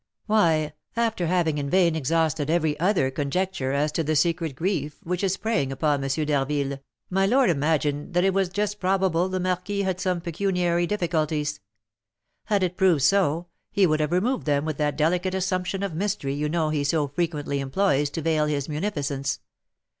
"Why, after having in vain exhausted every other conjecture as to the secret grief which is preying upon M. d'Harville, my lord imagined that it was just probable the marquis had some pecuniary difficulties; had it proved so, he would have removed them with that delicate assumption of mystery you know he so frequently employs to veil his munificence.